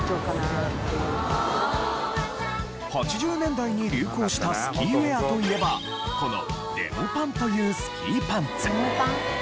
８０年代に流行したスキーウェアといえばこのデモパンというスキーパンツ。